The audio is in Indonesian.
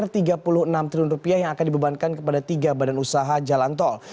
rp tiga puluh enam triliun yang akan dibebankan kepada tiga badan usaha jalan tol